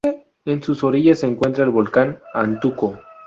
En sus orillas se encuentra el volcán Antuco.